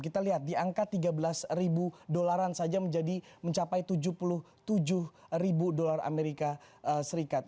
kita lihat di angka tiga belas ribu dolaran saja menjadi mencapai tujuh puluh tujuh ribu dolar amerika serikat